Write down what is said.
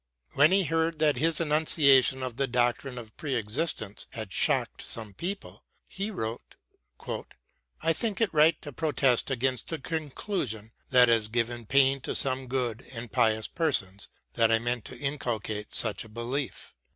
When he heard that his enunciation of the doc trine of pre existence had shocked some people, he wrote, " I think it right to protest against a conclusion which has given pain to some good and pious persons that I meant to inculcate such a belief.